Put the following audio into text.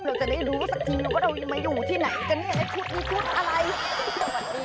เราจะได้รู้สักทีว่าเรามาอยู่ที่ไหนกันชุดมีชุดอะไร